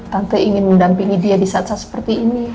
tante ingin mendampingi dia di saat saat seperti ini